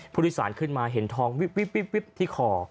ผู้ลิสารขึ้นมาเห็นทองวิบวิบวิบที่คอ